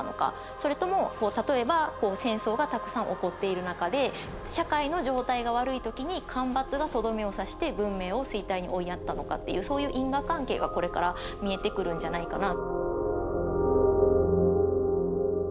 それとも例えば戦争がたくさん起こっている中で社会の状態が悪い時に干ばつがとどめをさして文明を衰退に追いやったのかっていうそういう因果関係がこれから見えてくるんじゃないかな。